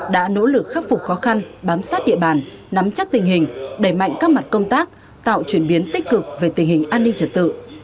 đã nỗ lực khắc phục khó khăn bám sát địa bàn nắm chắc tình hình đẩy mạnh các mặt công tác tạo chuyển biến tích cực về tình hình an ninh trật tự